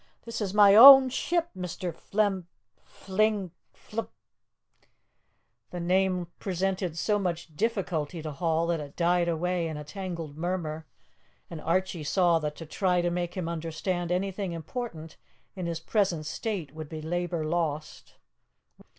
"This is my own ship, Mr. Flem Fling Fl " The name presented so much difficulty to Hall that it died away in a tangled murmur, and Archie saw that to try to make him understand anything important in his present state would be labour lost.